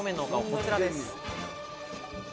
こちらです。